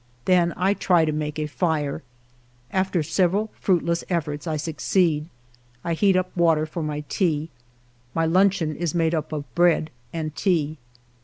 Then I try to make a fire. After several fruitless efforts I succeed. I heat water for my tea. My luncheon is made up of bread and tea.